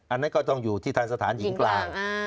อันนั้นก็ต้องอยู่ที่ทันสถานหญิงกลาง